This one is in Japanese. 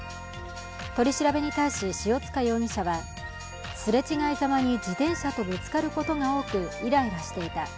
取り調べに対し、塩塚容疑者はすれ違いざまに自転車とぶつかることが多くイライラしていた。